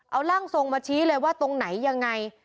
เอาร่างทรงมาชี้เลยว่าตรงไหนยังไง